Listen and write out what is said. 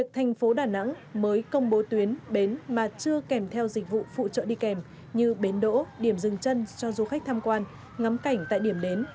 thành phố đà nẵng mới công bố tuyến bến mà chưa kèm theo dịch vụ phụ trợ đi kèm như bến đỗ điểm dừng chân cho du khách tham quan ngắm cảnh tại điểm đến